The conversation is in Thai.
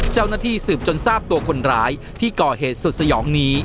เจ้าหน้าที่สืบจนทราบตัวคนร้ายที่ก่อเหตุสุดสยองนี้